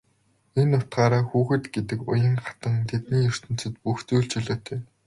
Энэ утгаараа хүүхэд гэдэг уян хатан тэдний ертөнцөд бүх зүйл чөлөөтэй.